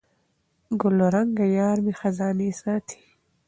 ګلرنګه یارمي خزانې ساتي